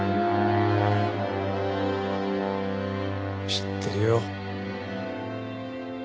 知ってるよ。